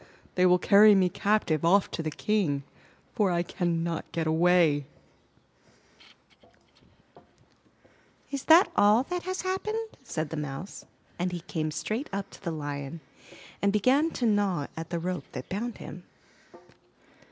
They will carry me captive off to the King, for I cannot get away." 149 MY BOOK HOUSE Is that all that has happened?" said the Mouse, and he came straight up to the Lion and began to gnaw at the rope that bound him.